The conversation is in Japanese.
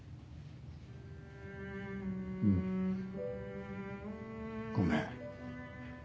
うんごめん。